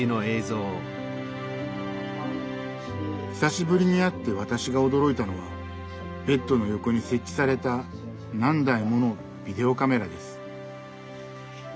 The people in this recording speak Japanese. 久しぶりに会って私が驚いたのはベッドの横に設置された何台ものビデオカメラです。